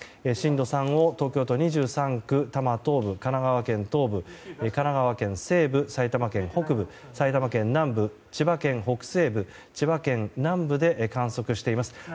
震度３を東京都２３区多摩東部神奈川県東部、神奈川県西部埼玉県北部、埼玉県南部千葉県北西部、千葉県南部で観測しています。